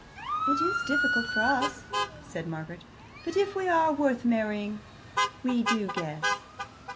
"It is difficult for us," said Margaret; "but if we are worth marrying, we do guess."